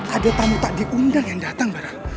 ada tamu tak diundang yang datang barah